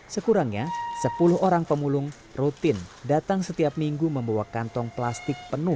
sekurangnya sepuluh orang pemulung rutin datang setiap minggu membawa kantong plastik penuh